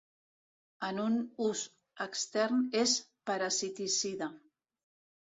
En un ús extern és parasiticida.